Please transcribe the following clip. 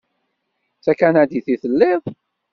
D takanadit i telliḍ?